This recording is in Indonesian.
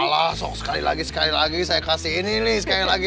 alah sok sekali lagi sekali lagi saya kasih ini nih sekali lagi sekali lagi